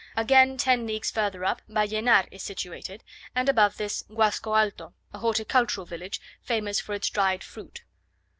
Again, ten leagues further up Ballenar is situated, and above this Guasco Alto, a horticultural village, famous for its dried fruit.